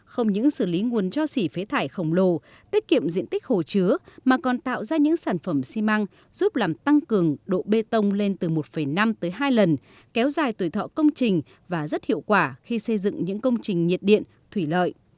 không những xử lý nguồn cho xỉ phế thải khổng lồ tiết kiệm diện tích hồ chứa mà còn tạo ra những sản phẩm xi măng giúp làm tăng cường độ bê tông lên từ một năm tới hai lần kéo dài tuổi thọ công trình và rất hiệu quả khi xây dựng những công trình nhiệt điện thủy lợi